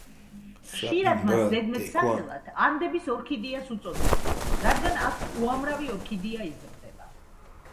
ხშირად მას ზედმეტსახელად „ანდების ორქიდეას“ უწოდებენ, რადგან აქ უამრავი ორქიდეა იზრდება.